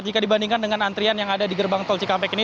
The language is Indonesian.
jika dibandingkan dengan antrian yang ada di gerbang tol cikampek ini